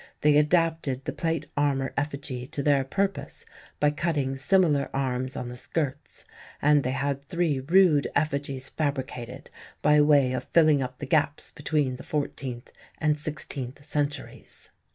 they adapted the plate armour effigy to their purpose by cutting similar arms on the skirts, and they had three rude effigies fabricated by way of filling up the gaps between the fourteenth and sixteenth centuries."